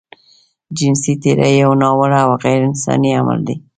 جنسي تېری يو ناوړه او غيرانساني عمل دی.